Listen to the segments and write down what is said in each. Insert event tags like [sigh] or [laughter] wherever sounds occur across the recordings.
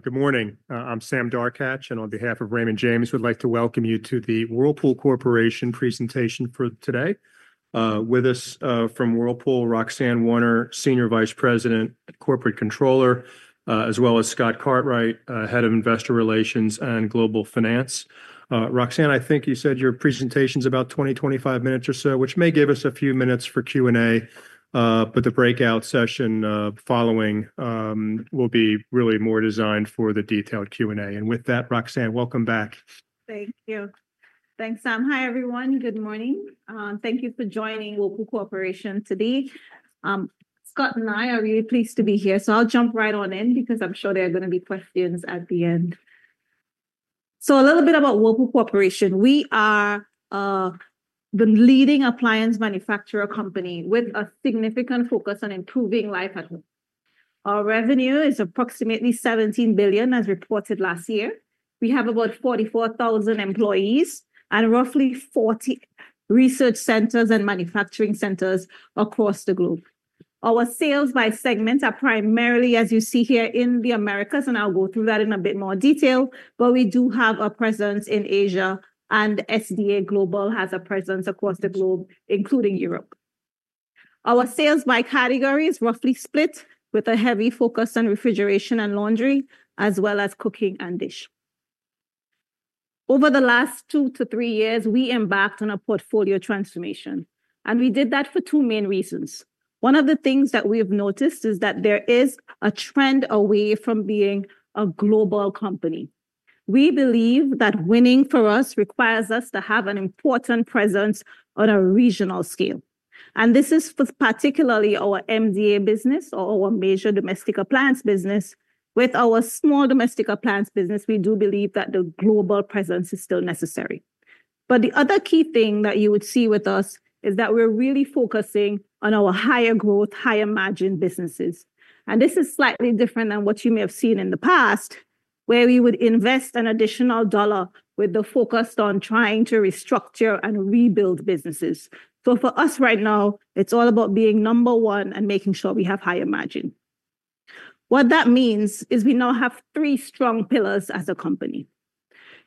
Good morning. I'm Sam Darkatsh, and on behalf of Raymond James, I would like to welcome you to the Whirlpool Corporation presentation for today. With us from Whirlpool, Roxanne Warner, Senior Vice President, Corporate Controller, as well as Scott Cartwright, Head of Investor Relations and Global Finance. Roxanne, I think you said your presentation's about 20, 25 minutes or so, which may give us a few minutes for Q&A, but the breakout session following will be really more designed for the detailed Q&A. And with that, Roxanne, welcome back. Thank you. Thanks, Sam. Hi, everyone. Good morning. Thank you for joining Whirlpool Corporation today. Scott and I are really pleased to be here, so I'll jump right on in because I'm sure there are going to be questions at the end, so a little bit about Whirlpool Corporation. We are the leading appliance manufacturer company with a significant focus on improving life at home. Our revenue is approximately $17 billion, as reported last year. We have about 44,000 employees and roughly 40 research centers and manufacturing centers across the globe. Our sales by segments are primarily, as you see here, in the Americas, and I'll go through that in a bit more detail, but we do have a presence in Asia, and SDA Global has a presence across the globe, including Europe. Our sales by category is roughly split, with a heavy focus on refrigeration and laundry, as well as cooking and dish. Over the last two to three years, we embarked on a portfolio transformation, and we did that for two main reasons. One of the things that we've noticed is that there is a trend away from being a global company. We believe that winning for us requires us to have an important presence on a regional scale, and this is particularly our MDA business, or our major domestic appliance business. With our small domestic appliance business, we do believe that the global presence is still necessary. But the other key thing that you would see with us is that we're really focusing on our higher growth, higher margin businesses. And this is slightly different than what you may have seen in the past, where we would invest an additional dollar with the focus on trying to restructure and rebuild businesses. So for us right now, it's all about being number one and making sure we have higher margin. What that means is we now have three strong pillars as a company.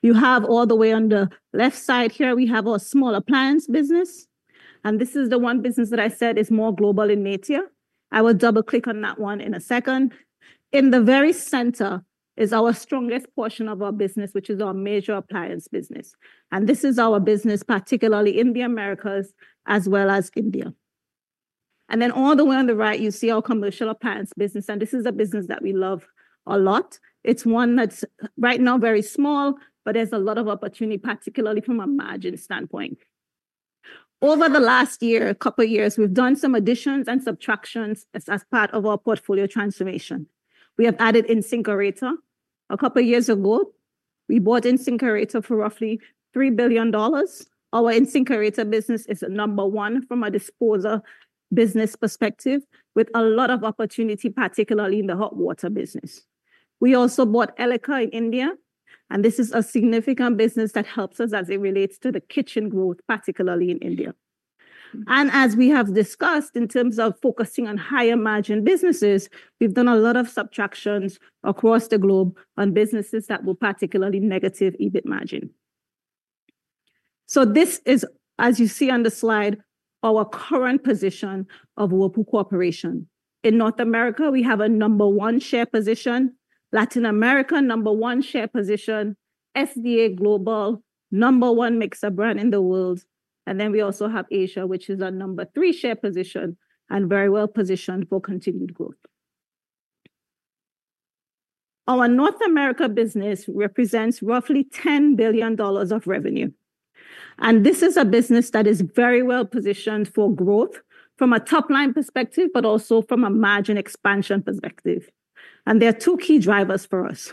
You have all the way on the left side here, we have our small appliance business, and this is the one business that I said is more global in nature. I will double-click on that one in a second. In the very center is our strongest portion of our business, which is our major appliance business. And this is our business particularly in the Americas as well as India. Then all the way on the right, you see our commercial appliance business, and this is a business that we love a lot. It's one that's right now very small, but there's a lot of opportunity, particularly from a margin standpoint. Over the last year, a couple of years, we've done some additions and subtractions as part of our portfolio transformation. We have added InSinkErator. A couple of years ago, we bought InSinkErator for roughly $3 billion. Our InSinkErator business is a number one from a disposal business perspective, with a lot of opportunity, particularly in the hot water business. We also bought Elica in India, and this is a significant business that helps us as it relates to the kitchen growth, particularly in India. As we have discussed, in terms of focusing on higher margin businesses, we've done a lot of subtractions across the globe on businesses that were particularly negative EBIT margin. So this is, as you see on the slide, our current position of Whirlpool Corporation. In North America, we have a number one share position, Latin America number one share position, SDA Global number one mixer brand in the world, and then we also have Asia, which is our number three share position and very well-positioned for continued growth. Our North America business represents roughly $10 billion of revenue, and this is a business that is very well-positioned for growth from a top-line perspective, but also from a margin expansion perspective. There are two key drivers for us.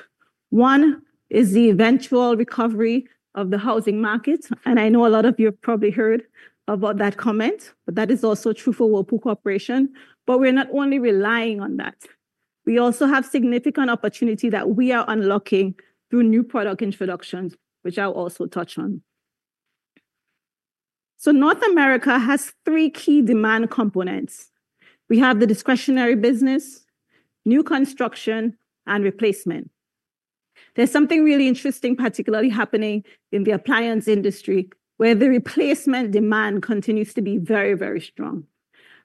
One is the eventual recovery of the housing market, and I know a lot of you have probably heard about that comment, but that is also true for Whirlpool Corporation, but we're not only relying on that. We also have significant opportunity that we are unlocking through new product introductions, which I'll also touch on, so North America has three key demand components. We have the discretionary business, new construction, and replacement. There's something really interesting, particularly happening in the appliance industry where the replacement demand continues to be very, very strong.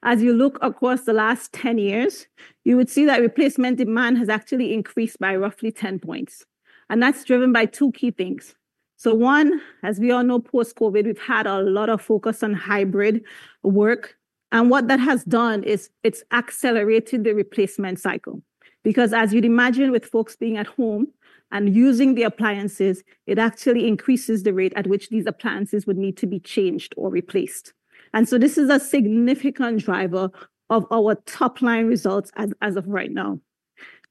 As you look across the last 10 years, you would see that replacement demand has actually increased by roughly 10 points, and that's driven by two key things, so one, as we all know, post-COVID, we've had a lot of focus on hybrid work, and what that has done is it's accelerated the replacement cycle. Because as you'd imagine, with folks being at home and using the appliances, it actually increases the rate at which these appliances would need to be changed or replaced, and so this is a significant driver of our top-line results as of right now.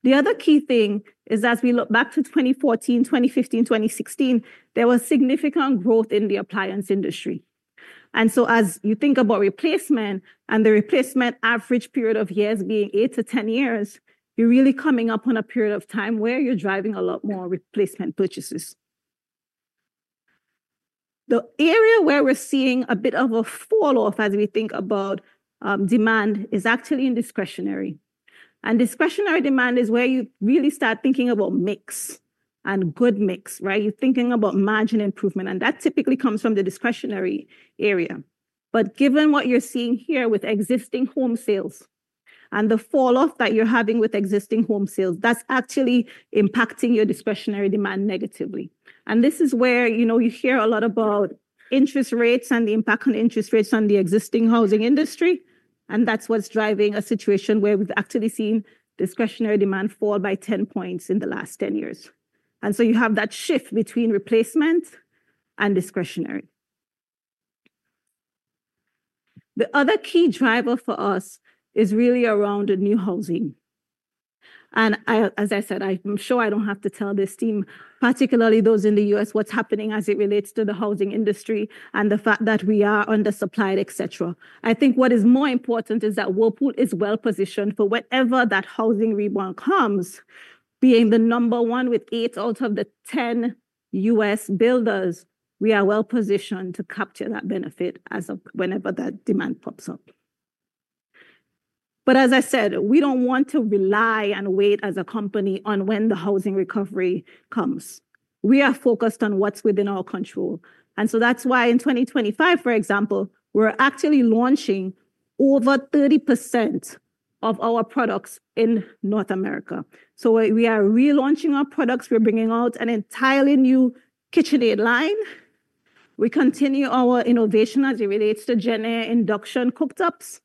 The other key thing is as we look back to 2014, 2015, 2016, there was significant growth in the appliance industry. And so as you think about replacement and the replacement average period of years being eight to 10 years, you're really coming up on a period of time where you're driving a lot more replacement purchases. The area where we're seeing a bit of a falloff as we think about demand is actually in discretionary, and discretionary demand is where you really start thinking about mix and good mix, right? You're thinking about margin improvement, and that typically comes from the discretionary area. Given what you're seeing here with existing home sales and the falloff that you're having with existing home sales, that's actually impacting your discretionary demand negatively. This is where you hear a lot about interest rates and the impact on interest rates on the existing housing industry, and that's what's driving a situation where we've actually seen discretionary demand fall by 10 points in the last 10 years. You have that shift between replacement and discretionary. The other key driver for us is really around new housing. As I said, I'm sure I don't have to tell this team, particularly those in the U.S., what's happening as it relates to the housing industry and the fact that we are undersupplied, etc. I think what is more important is that Whirlpool is well-positioned for whatever that housing rebound comes, being the number one with eight out of the 10 U.S. builders. We are well-positioned to capture that benefit whenever that demand pops up. But as I said, we don't want to rely and wait as a company on when the housing recovery comes. We are focused on what's within our control. And so that's why in 2025, for example, we're actually launching over 30% of our products in North America. So we are relaunching our products. We're bringing out an entirely new KitchenAid line. We continue our innovation as it relates to JennAir induction cooktops.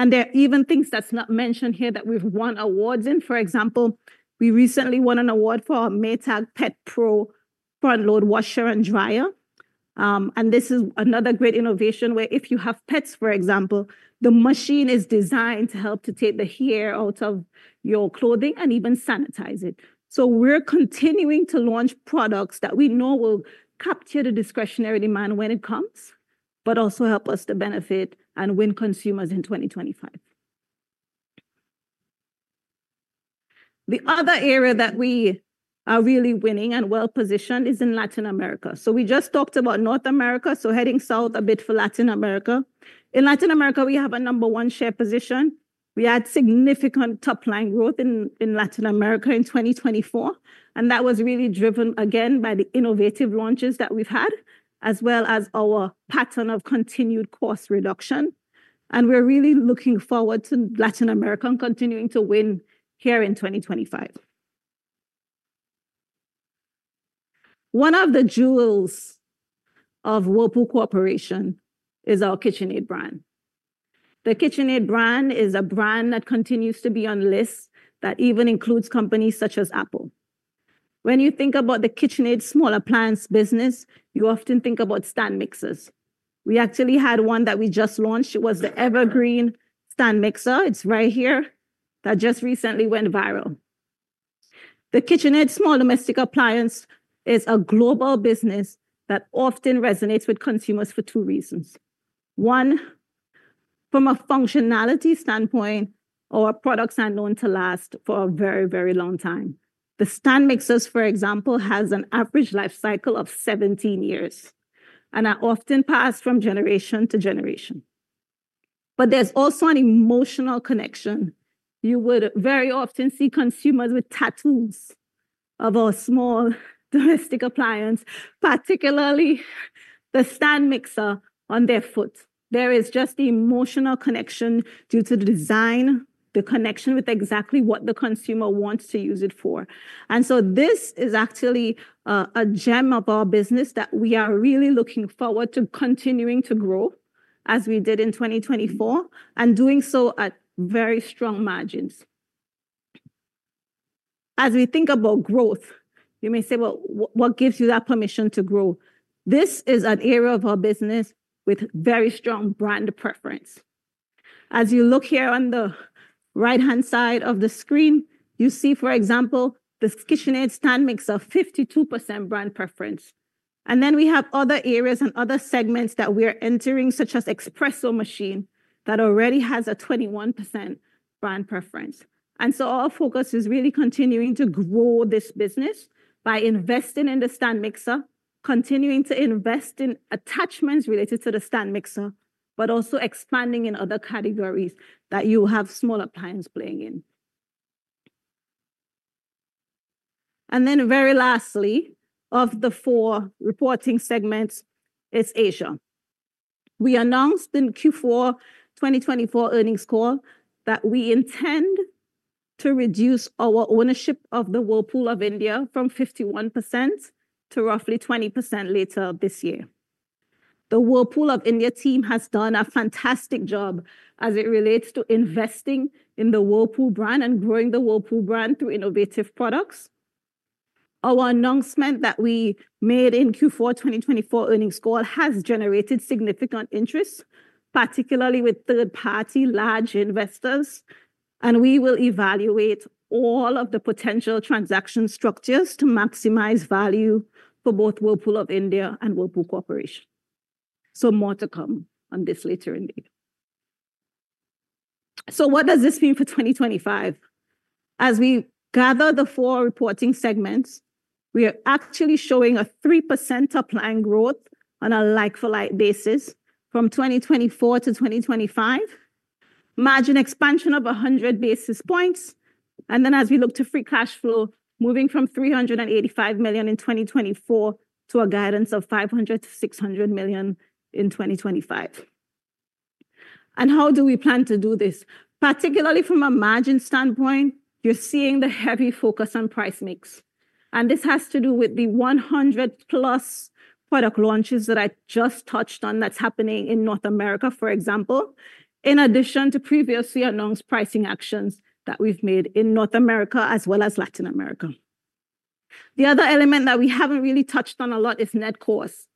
And there are even things that's not mentioned here that we've won awards in. For example, we recently won an award for our Maytag Pet Pro front load washer and dryer. And this is another great innovation where if you have pets, for example, the machine is designed to help to take the hair out of your clothing and even sanitize it. So we're continuing to launch products that we know will capture the discretionary demand when it comes, but also help us to benefit and win consumers in 2025. The other area that we are really winning and well-positioned is in Latin America. So we just talked about North America, so heading south a bit for Latin America. In Latin America, we have a number one share position. We had significant top-line growth in Latin America in 2024, and that was really driven again by the innovative launches that we've had, as well as our pattern of continued cost reduction. And we're really looking forward to Latin America and continuing to win here in 2025. One of the jewels of Whirlpool Corporation is our KitchenAid brand. The KitchenAid brand is a brand that continues to be on lists that even includes companies such as Apple. When you think about the KitchenAid small appliance business, you often think about stand mixers. We actually had one that we just launched. It was the Evergreen Stand Mixer. It's right here that just recently went viral. The KitchenAid small domestic appliance is a global business that often resonates with consumers for two reasons. One, from a functionality standpoint, our products are known to last for a very, very long time. The stand mixers, for example, have an average life cycle of 17 years and are often passed from generation to generation. But there's also an emotional connection. You would very often see consumers with tattoos of our small domestic appliance, particularly the stand mixer on their foot. There is just the emotional connection due to the design, the connection with exactly what the consumer wants to use it for. And so this is actually a gem of our business that we are really looking forward to continuing to grow as we did in 2024 and doing so at very strong margins. As we think about growth, you may say, well, what gives you that permission to grow? This is an area of our business with very strong brand preference. As you look here on the right-hand side of the screen, you see, for example, the KitchenAid stand mixer, 52% brand preference. And then we have other areas and other segments that we are entering, such as espresso machine that already has a 21% brand preference. And so our focus is really continuing to grow this business by investing in the stand mixer, continuing to invest in attachments related to the stand mixer, but also expanding in other categories that you have small appliance playing in. And then very lastly, of the four reporting segments, it's Asia. We announced in Q4 2024 earnings call that we intend to reduce our ownership of the Whirlpool of India from 51% to roughly 20% later this year. The Whirlpool of India team has done a fantastic job as it relates to investing in the Whirlpool brand and growing the Whirlpool brand through innovative products. Our announcement that we made in Q4 2024 earnings call has generated significant interest, particularly with third-party large investors, and we will evaluate all of the potential transaction structures to maximize value for both Whirlpool of India and Whirlpool Corporation. So more to come on this later in the year. So what does this mean for 2025? As we gather the four reporting segments, we are actually showing a 3% appliance growth on a like-for-like basis from 2024 to 2025, margin expansion of 100 basis points, and then as we look to free cash flow, moving from $385 million in 2024 to a guidance of $500 million-$600 million in 2025. And how do we plan to do this? Particularly from a margin standpoint, you're seeing the heavy focus on price mix, and this has to do with the 100+ product launches that I just touched on that's happening in North America, for example, in addition to previously announced pricing actions that we've made in North America as well as Latin America. The other element that we haven't really touched on a lot is net cost.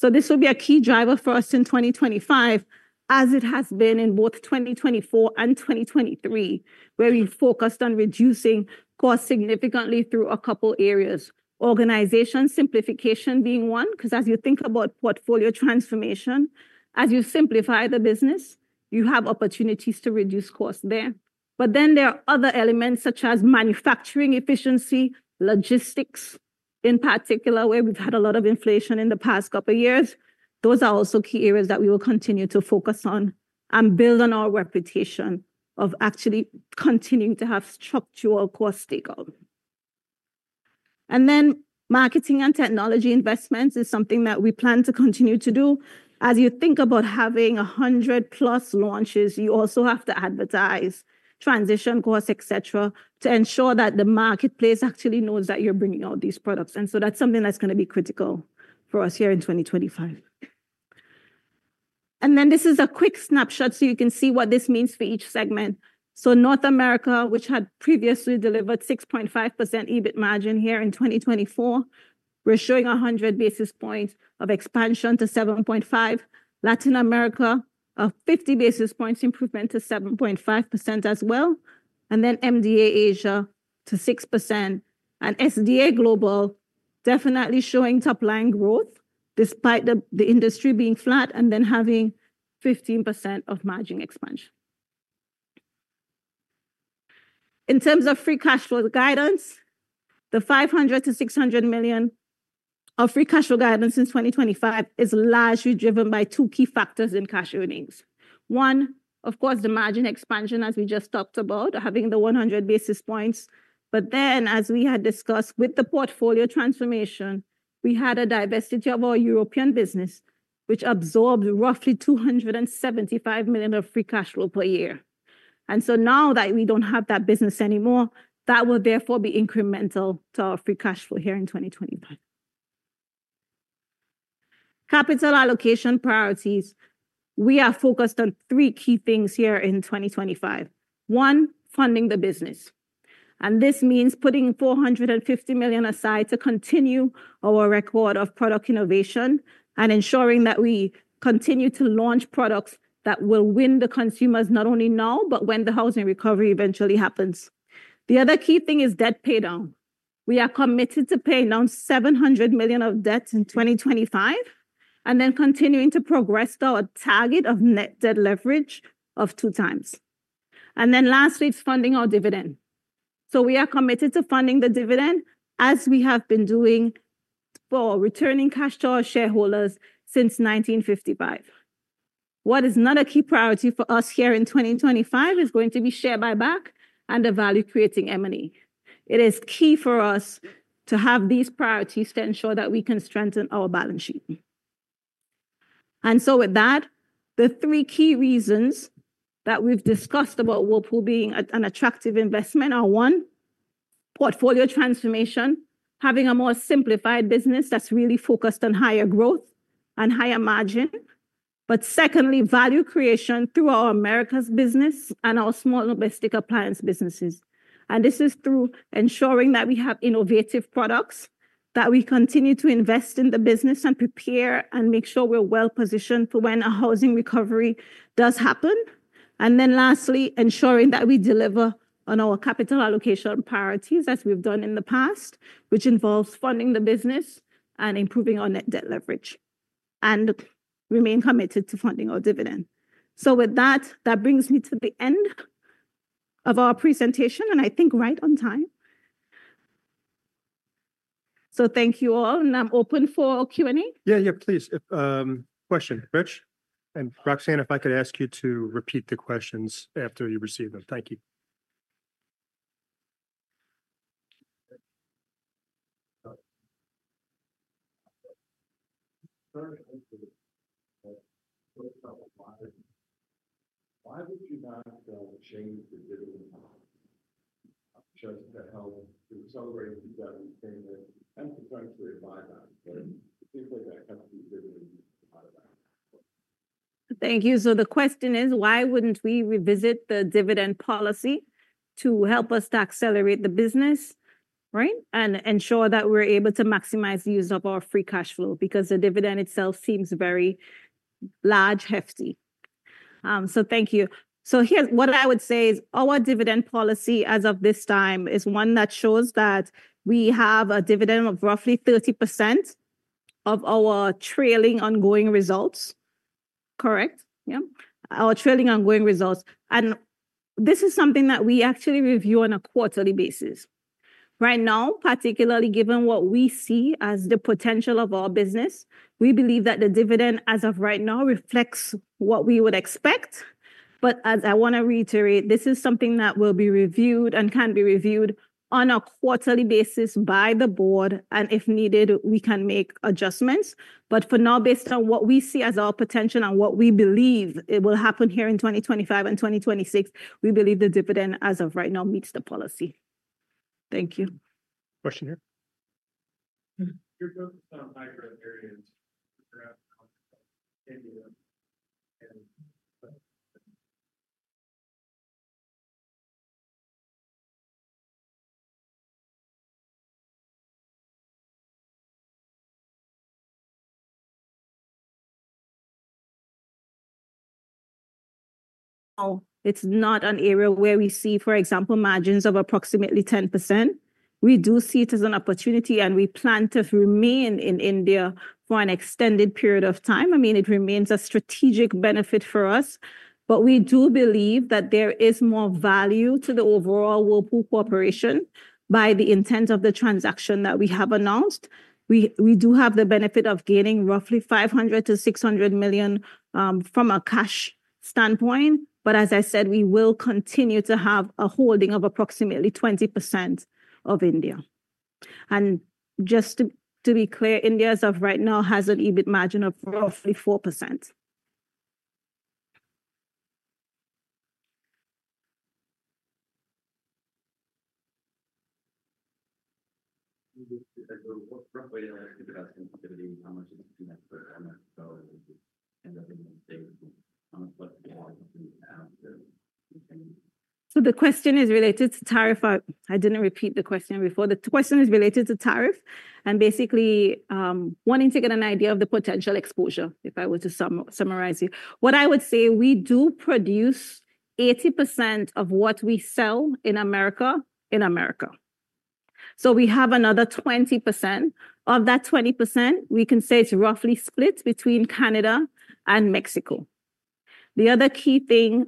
So this will be a key driver for us in 2025, as it has been in both 2024 and 2023, where we focused on reducing costs significantly through a couple of areas. Organization simplification being one, because as you think about portfolio transformation, as you simplify the business, you have opportunities to reduce costs there. But then there are other elements such as manufacturing efficiency, logistics in particular, where we've had a lot of inflation in the past couple of years. Those are also key areas that we will continue to focus on and build on our reputation of actually continuing to have structural cost takeout. And then marketing and technology investments is something that we plan to continue to do. As you think about having 100+ launches, you also have to advertise, transition costs, etc., to ensure that the marketplace actually knows that you're bringing out these products. And so that's something that's going to be critical for us here in 2025. And then this is a quick snapshot so you can see what this means for each segment. So North America, which had previously delivered 6.5% EBIT margin here in 2024, we're showing 100 basis points of expansion to 7.5%. Latin America, a 50 basis points improvement to 7.5% as well. And then MDA Asia to 6% and SDA Global definitely showing top-line growth despite the industry being flat and then having 15% of margin expansion. In terms of free cash flow guidance, the $500 million-$600 million of free cash flow guidance in 2025 is largely driven by two key factors in cash earnings. One, of course, the margin expansion, as we just talked about, having the 100 basis points. Then, as we had discussed with the portfolio transformation, we had a divestiture of our European business, which absorbed roughly $275 million of free cash flow per year. And so now that we don't have that business anymore, that will therefore be incremental to our free cash flow here in 2025. Capital allocation priorities. We are focused on three key things here in 2025. One, funding the business. And this means putting $450 million aside to continue our record of product innovation and ensuring that we continue to launch products that will win the consumers not only now, but when the housing recovery eventually happens. The other key thing is debt paydown. We are committed to paying down $700 million of debt in 2025 and then continuing to progress to our target of net debt leverage of 2x. And then lastly, it is funding our dividend. We are committed to funding the dividend as we have been doing for returning cash to our shareholders since 1955. What is another key priority for us here in 2025 is going to be share buyback and the value creating M&A. It is key for us to have these priorities to ensure that we can strengthen our balance sheet. With that, the three key reasons that we've discussed about Whirlpool being an attractive investment are one, portfolio transformation, having a more simplified business that's really focused on higher growth and higher margin. Secondly, value creation through our Americas business and our small domestic appliance businesses. This is through ensuring that we have innovative products, that we continue to invest in the business and prepare and make sure we're well-positioned for when a housing recovery does happen. And then lastly, ensuring that we deliver on our capital allocation priorities as we've done in the past, which involves funding the business and improving our net debt leverage and remain committed to funding our dividend. So with that, that brings me to the end of our presentation, and I think right on time. So thank you all, and I'm open for Q&A. Yeah, yeah, please. Question, Rich. And Roxanne, if I could ask you to repeat the questions after you receive them. Thank you. [audio distortion] Why would you not change the dividend policy just to help accelerate the dividend payment and potentially buyback? It seems like that cuts the dividend. Thank you. So the question is, why wouldn't we revisit the dividend policy to help us to accelerate the business, right? And ensure that we're able to maximize the use of our free cash flow because the dividend itself seems very large, hefty. So thank you. So here's what I would say is our dividend policy as of this time is one that shows that we have a dividend of roughly 30% of our trailing ongoing results. Correct? Yeah. Our trailing ongoing results. And this is something that we actually review on a quarterly basis. Right now, particularly given what we see as the potential of our business, we believe that the dividend as of right now reflects what we would expect. But as I want to reiterate, this is something that will be reviewed and can be reviewed on a quarterly basis by the Board. And if needed, we can make adjustments. But for now, based on what we see as our potential and what we believe it will happen here in 2025 and 2026, we believe the dividend as of right now meets the policy. Thank you. Question here. [audio distortion] It's not an area where we see, for example, margins of approximately 10%. We do see it as an opportunity, and we plan to remain in India for an extended period of time. I mean, it remains a strategic benefit for us, but we do believe that there is more value to the overall Whirlpool Corporation by the intent of the transaction that we have announced. We do have the benefit of gaining roughly $500 million-$600 million from a cash standpoint, but as I said, we will continue to have a holding of approximately 20% of India. And just to be clear, India as of right now has an EBIT margin of roughly 4%. [audio distortion] So the question is related to tariff. I didn't repeat the question before. The question is related to tariff and basically wanting to get an idea of the potential exposure, if I were to summarize it. What I would say, we do produce 80% of what we sell in America in America. So we have another 20%. Of that 20%, we can say it's roughly split between Canada and Mexico. The other key thing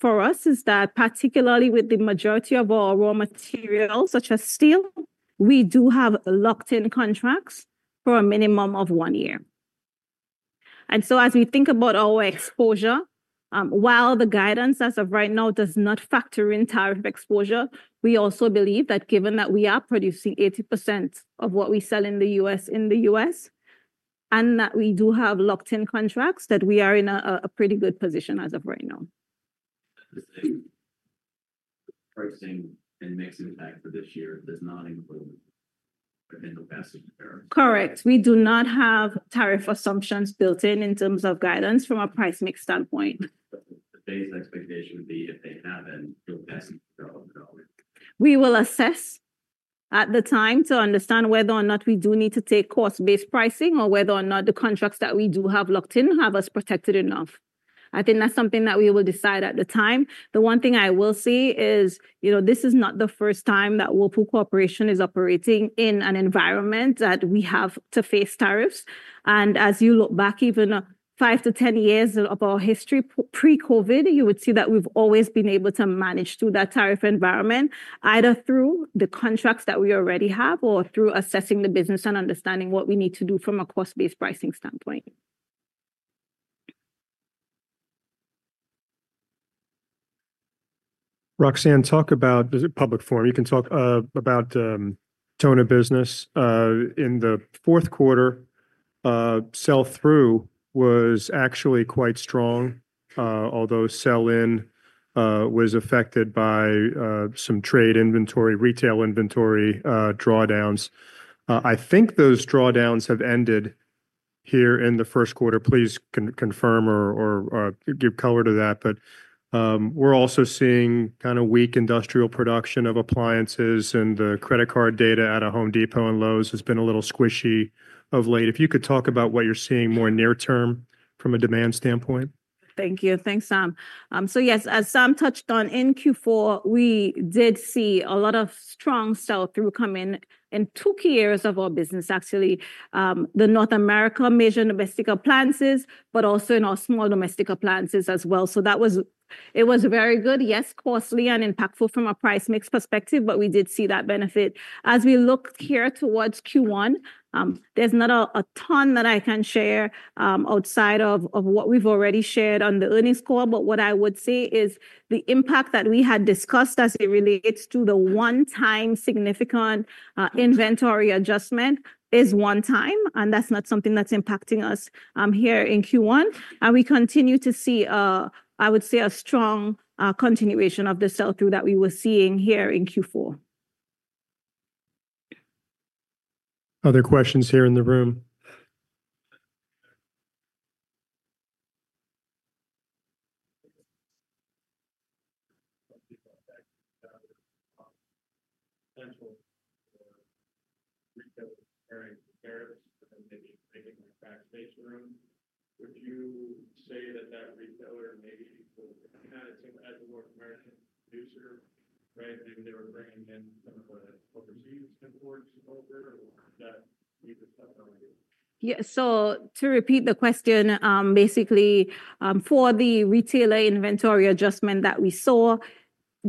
for us is that particularly with the majority of our raw materials, such as steel, we do have locked-in contracts for a minimum of one year. As we think about our exposure, while the guidance as of right now does not factor in tariff exposure, we also believe that given that we are producing 80% of what we sell in the U.S. in the U.S. and that we do have locked-in contracts, that we are in a pretty good position as of right now. Pricing and mix impact for this year does not include potential pass-through tariffs. Correct. We do not have tariff assumptions built in terms of guidance from a price mix standpoint. The base expectation would be if they have pass-through tariffs. We will assess at the time to understand whether or not we do need to take cost-based pricing or whether or not the contracts that we do have locked in have us protected enough. I think that's something that we will decide at the time. The one thing I will say is, you know, this is not the first time that Whirlpool Corporation is operating in an environment that we have to face tariffs. And as you look back, even five to 10 years of our history pre-COVID, you would see that we've always been able to manage through that tariff environment, either through the contracts that we already have or through assessing the business and understanding what we need to do from a cost-based pricing standpoint. Roxanne, talk about public form. You can talk about tone of business in the fourth quarter. Sell-through was actually quite strong, although sell-in was affected by some trade inventory, retail inventory drawdowns. I think those drawdowns have ended here in the first quarter. Please confirm or give color to that. But, we're also seeing kind of weak industrial production of appliances, and the credit card data at Home Depot and Lowe's has been a little squishy of late. If you could talk about what you're seeing more near-term from a demand standpoint? Thank you. Thanks, Sam. So yes, as Sam touched on in Q4, we did see a lot of strong sell-through come in in two key areas of our business, actually, the North America major domestic appliances, but also in our small domestic appliances as well. So that was, it was very good, yes, costly and impactful from a price mix perspective, but we did see that benefit. As we look here towards Q1, there's not a ton that I can share, outside of what we've already shared on the earnings call, but what I would say is the impact that we had discussed as it relates to the one-time significant inventory adjustment is one-time, and that's not something that's impacting us here in Q1. And we continue to see, I would say a strong continuation of the sell-through that we were seeing here in Q4. Other questions here in the room? [audio distortion] Retail experience with maybe creating a tax base room. Would you say that that retailer maybe had a North American producer, right? Maybe they were bringing in some of the overseas imports over that needed something? Yeah. So to repeat the question, basically, for the retailer inventory adjustment that we saw,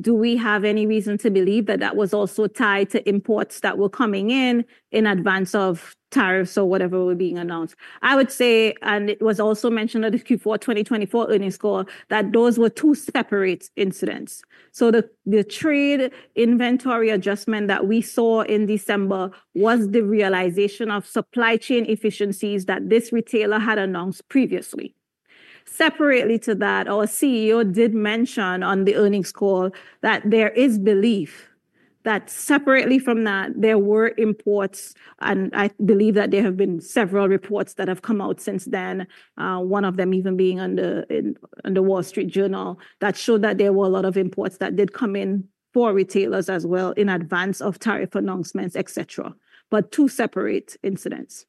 do we have any reason to believe that that was also tied to imports that were coming in in advance of tariffs or whatever were being announced? I would say, and it was also mentioned at the Q4 2024 earnings call, that those were two separate incidents. So the trade inventory adjustment that we saw in December was the realization of supply chain efficiencies that this retailer had announced previously. Separately to that, our CEO did mention on the earnings call that there is belief that separately from that, there were imports, and I believe that there have been several reports that have come out since then, one of them even being in The Wall Street Journal that showed that there were a lot of imports that did come in for retailers as well in advance of tariff announcements, etc. But two separate incidents.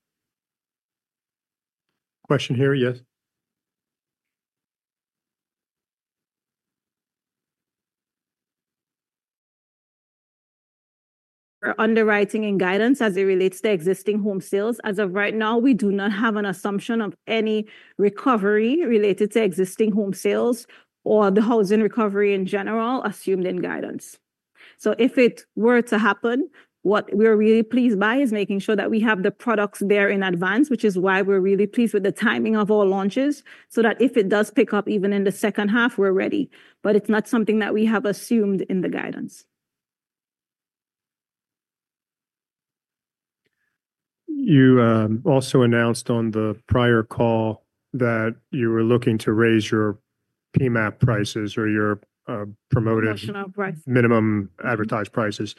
Question here, yes. [audio distortion] Our thinking and guidance as it relates to existing home sales. As of right now, we do not have an assumption of any recovery related to existing home sales or the housing recovery in general assumed in guidance. So if it were to happen, what we're really pleased by is making sure that we have the products there in advance, which is why we're really pleased with the timing of our launches, so that if it does pick up even in the second half, we're ready. But it's not something that we have assumed in the guidance. You also announced on the prior call that you were looking to raise your PMAP prices or your promoted minimum advertised prices.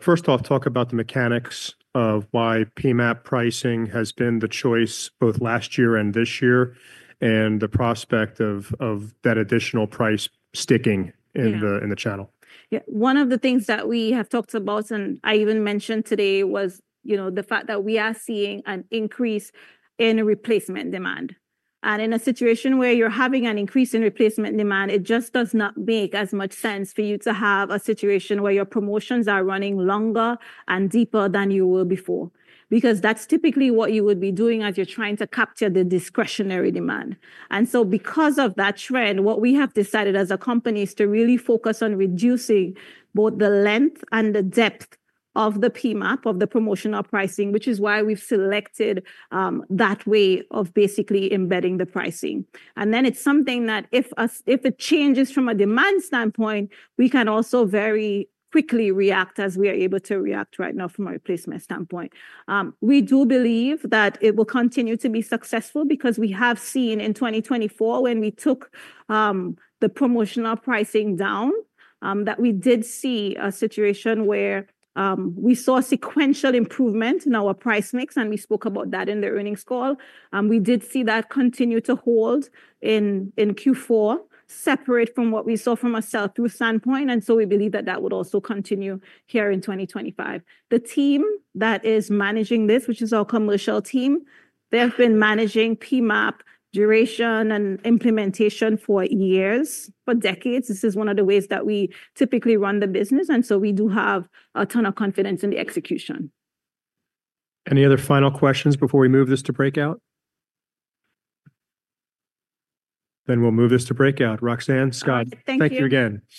First off, talk about the mechanics of why PMAP pricing has been the choice both last year and this year and the prospect of that additional price sticking in the channel. Yeah, one of the things that we have talked about, and I even mentioned today, was, you know, the fact that we are seeing an increase in replacement demand. And in a situation where you're having an increase in replacement demand, it just does not make as much sense for you to have a situation where your promotions are running longer and deeper than you were before, because that's typically what you would be doing as you're trying to capture the discretionary demand. And so because of that trend, what we have decided as a company is to really focus on reducing both the length and the depth of the PMAP, of the promotional pricing, which is why we've selected that way of basically embedding the pricing. And then it's something that if it changes from a demand standpoint, we can also very quickly react as we are able to react right now from a replacement standpoint. We do believe that it will continue to be successful because we have seen in 2024 when we took the promotional pricing down, that we did see a situation where we saw sequential improvement in our price mix, and we spoke about that in the earnings call. We did see that continue to hold in Q4 separate from what we saw from a sell-through standpoint. And so we believe that that would also continue here in 2025. The team that is managing this, which is our commercial team, they have been managing PMAP duration and implementation for years, for decades. This is one of the ways that we typically run the business. And so we do have a ton of confidence in the execution. Any other final questions before we move this to breakout? Then we'll move this to breakout. Roxanne, Scott, thank you again.